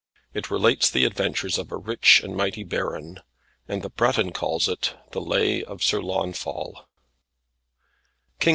It relates the adventures of a rich and mighty baron, and the Breton calls it, the Lay of Sir Launfal.